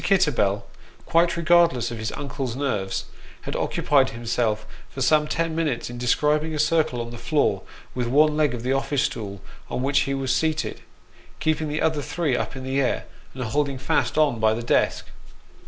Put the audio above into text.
Kitterbell, quite regardless of his uncle's nerves, had occupied himself for some ten minutes in describing a circle on the floor with one leg of the office stool on which he was seated, keeping the other three up in the air, and holding fast on by the desk.